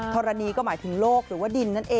ธรณีก็หมายถึงโลกหรือว่าดินนั่นเอง